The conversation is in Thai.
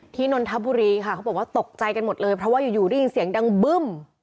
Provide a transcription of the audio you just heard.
นนทบุรีค่ะเขาบอกว่าตกใจกันหมดเลยเพราะว่าอยู่ได้ยินเสียงดังบึ้ม